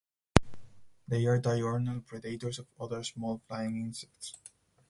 They are diurnal predators of other small flying insects.